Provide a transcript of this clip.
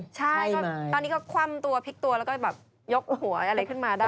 ใช่ก็ตอนนี้ก็คว่ำตัวพลิกตัวแล้วก็แบบยกหัวอะไรขึ้นมาได้